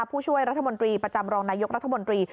ผู้ช่วยรัฐมนตรีประจำรองนายกรัฐมนตรี